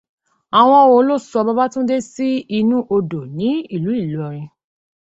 Àwọn wo ló sọ Babátúndé sí inú odò ní ìlú Ìlọrin?